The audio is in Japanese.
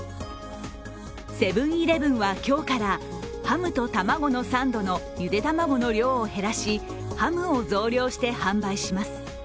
セブン−イレブンは今日から、ハムとたまごのサンドのゆで卵の量を減らし、ハムを増量して販売します。